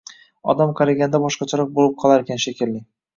Odam qariganda boshqacharoq bo`lib qolarkan, shekilli